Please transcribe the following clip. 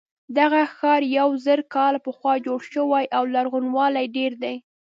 دغه ښار یو زر کاله پخوا جوړ شوی او لرغونوالی یې ډېر دی.